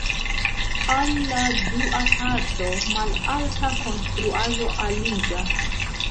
Al la dua parto malalta konstruaĵo aliĝas.